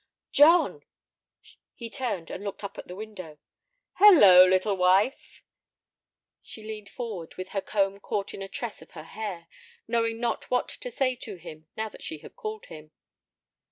"John!" He turned and looked up at the window. "Halloo, little wife!" She leaned forward with her comb caught in a tress of her hair, knowing not what to say to him now that she had called him.